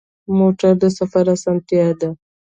موټر د سفر اسانتیا ده.